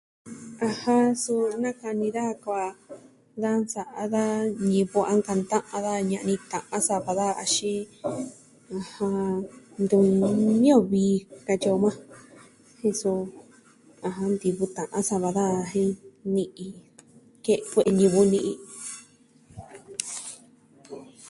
Ajɨn suu, nakani daja kuaa da nsa'a da ñivɨ a nkanta'an daja , ña'ni ta'an sava daja axin, ɨjɨn, ntuvi niyo vii katyi o majan. jen so ntivɨ ta'an sava daja jen ni'i, jen kue'e ñivɨ ni'i